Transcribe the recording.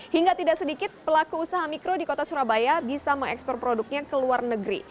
hingga tidak sedikit pelaku usaha mikro di kota surabaya bisa mengekspor produknya ke luar negeri